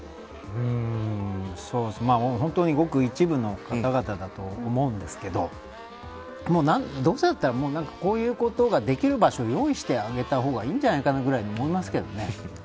本当に、ごく一部の方々だと思うんですけどどうせだったら、こういうことができる場所を用意してあげた方がいいんじゃないかなぐらいに思いますけどね。